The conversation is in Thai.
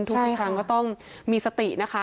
ทุกครั้งก็ต้องมีสตินะคะ